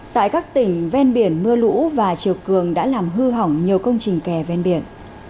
tại các tỉnh ven biển mưa lũ và chiều cường đã làm hư hỏng nhiều công trình kè ven biển